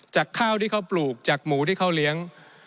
จากข้าวที่เขาปลูกจากหมูที่เขาเลี้ยง